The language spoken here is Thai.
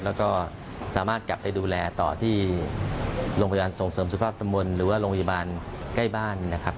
แล้วก็สามารถกลับไปดูแลต่อที่โรงพยาบาลส่งเสริมสุขภาพตำบลหรือว่าโรงพยาบาลใกล้บ้านนะครับ